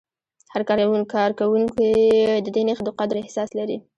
هر کارکوونکی د دې نښې د قدر احساس لري.